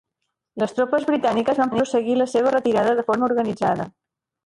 Les tropes britàniques van prosseguir la seva retirada de forma organitzada.